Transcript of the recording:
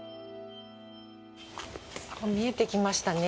見えてきましたね。